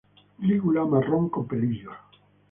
Lígula marrón con pelillos.